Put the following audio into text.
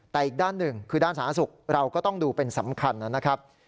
แต่อีกด้านหนึ่งคือด้านสาธารณสุขเราก็ต้องดูเป็นสำคัญนะครับ